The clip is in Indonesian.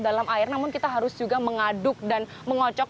dalam air namun kita harus juga mengaduk dan mengocok